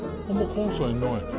関西にないね。